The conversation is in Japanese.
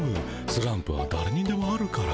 スランプはだれにでもあるから。